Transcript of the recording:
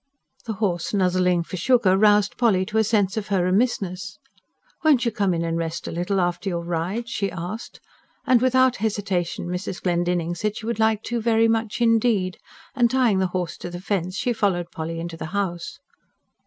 The horse nuzzling for sugar roused Polly to a sense of her remissness. "Won't you come in and rest a little, after your ride?" she asked; and without hesitation Mrs. Glendinning said she would like to, very much indeed; and tying the hone to the fence, she followed Polly into the house.